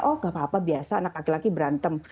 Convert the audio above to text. oh gak apa apa biasa anak laki laki berantem